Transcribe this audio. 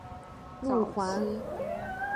该堂的历史可追溯到基督教早期。